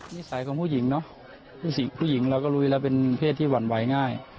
นิสัยของผู้หญิงเนอะผู้หญิงเราก็รู้อยู่แล้วเป็นเพศที่หวั่นไหวง่าย